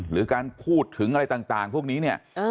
หรือการพูดถึงอะไรต่างพวกนี้เนี่ย